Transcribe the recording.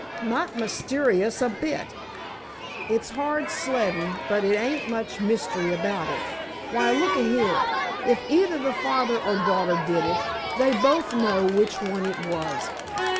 "Not mysterious a bit. It's hard sleddin', but there ain't much mystery about it. Why, look a here. If either the father or daughter did it, they both know which one it was.